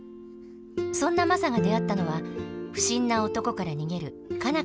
そんなマサが出会ったのは不審な男から逃げる佳奈